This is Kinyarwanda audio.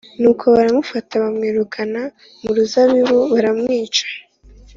Nuko baramufata bamwirukana mu ruzabibu baramwica